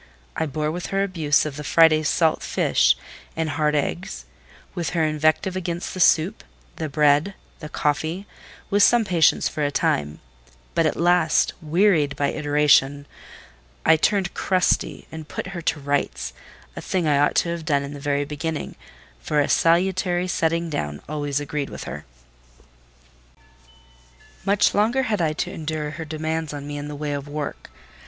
I bore with her abuse of the Friday's salt fish and hard eggs—with her invective against the soup, the bread, the coffee—with some patience for a time; but at last, wearied by iteration, I turned crusty, and put her to rights: a thing I ought to have done in the very beginning, for a salutary setting down always agreed with her. Much longer had I to endure her demands on me in the way of work.